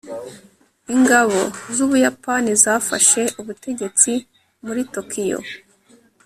ingabo z'ubuyapani zafashe ubutegetsi muri tokiyo